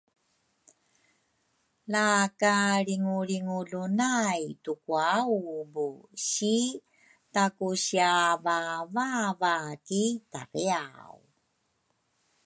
La kalringulringulu nay tukwaubu si taku siavavava ki tariaw